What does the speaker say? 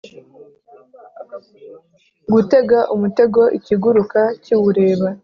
Gutega umutego ikiguruka kiwureba,